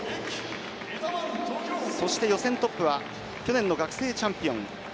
予選トップは去年の学生チャンピオン